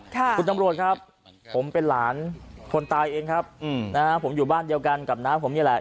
คุณตำรวจครับผมเป็นหลานคนตายเองครับนะฮะผมอยู่บ้านเดียวกันกับน้าผมนี่แหละ